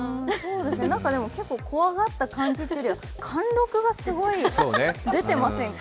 でも怖がった感じというよりは貫禄がすごい出てませんか？